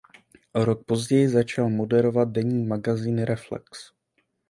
O rok později začal moderovat denní magazín Reflex.